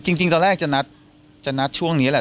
จริงตอนแรกจะนัดช่วงนี้แหละ